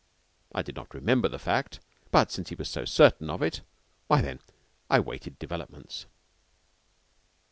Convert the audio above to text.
I did not remember the fact, but since he was so certain of it, why, then I waited developments.